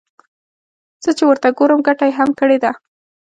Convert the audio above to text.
زه چې ورته ګورم ګټه يې هم کړې ده.